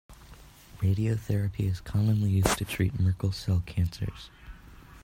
Radiotherapy is commonly used to treat Merkel-cell cancers.